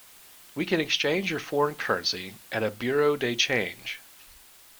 You can exchange your foreign currency at a bureau de change